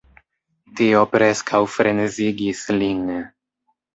Tio preskaŭ frenezigis lin.